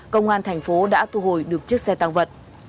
công an tp đã thu hồi được chiếc xe tăng vật